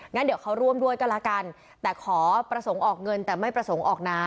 งั้นเดี๋ยวเขาร่วมด้วยก็แล้วกันแต่ขอประสงค์ออกเงินแต่ไม่ประสงค์ออกนา